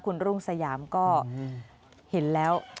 คุณรุ่งสยามก็เห็นแล้ว